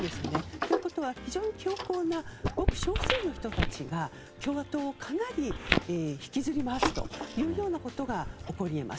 ということは、非常に強硬なごく少数の人たちが共和党をかなり引きずり回すというようなことが起こり得ます。